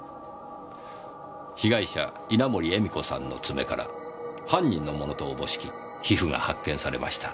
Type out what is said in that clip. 被害者稲盛絵美子さんの爪から犯人のものとおぼしき皮膚が発見されました。